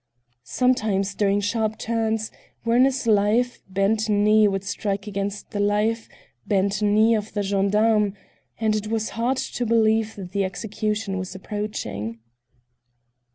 Sometimes during sharp turns, Werner's live, bent knee would strike against the live, bent knee of the gendarme, and it was hard to believe that the execution was approaching.